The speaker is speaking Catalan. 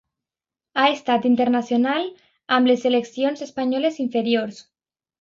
Ha estat internacional amb les seleccions espanyoles inferiors.